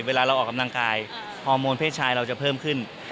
เวลาเราออกกำลังกายฮอร์โมนเพศชายเราจะเพิ่มขึ้น